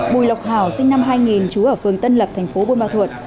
bùi lộc hảo sinh năm hai nghìn chú ở phường tân lập thành phố bôn ba thuột